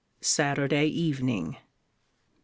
SATURDAY EVENING. Mr.